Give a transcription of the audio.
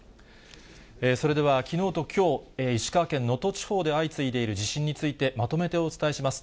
それでは、きのうときょう、石川県能登地方で相次いでいる地震について、まとめてお伝えします。